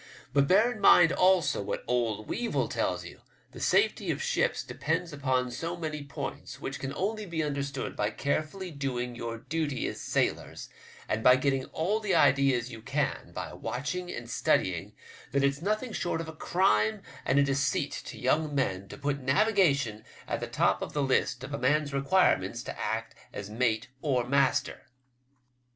But bear in mind also what old Weevil tells you ; the safety of ships depends upon so many points, which can only be understood by carefully doing your duty as sailors, and by getting all the ideas you can by watching and studying, that it's nothing short of a crime and a deceit to young men to put navigation at the top of the list of a man's requirements to act as mate or master."